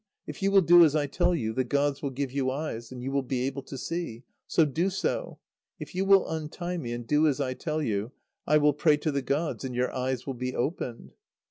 If you will do as I tell you, the gods will give you eyes, and you will be able to see. So do so. If you will untie me and do as I tell you, I will pray to the gods, and your eyes will be opened."